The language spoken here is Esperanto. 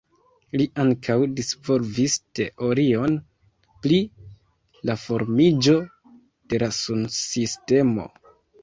Li ankaŭ disvolvis teorion pri la formiĝo de la sunsistemo.